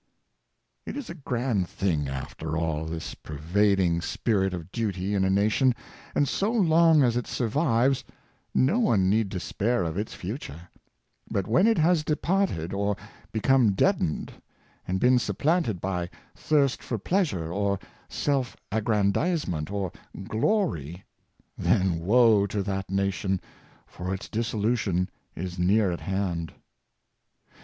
It is a grand thing, after all, this pervading spirit of Duty in a nation; and so long as it survives, no one need despair of its future. But when it has departed, or become deadened, and been supplanted by thirst 500 Duty and Truthfulness. for pleasure, or selfish aggrandizement, or *' glory ''— then woe to that nation, for its dissolution is near at hand!